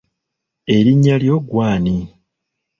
Erinnya lyo ggwe ani?